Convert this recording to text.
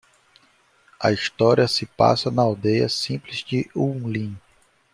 A história se passa na aldeia simples de Yunlin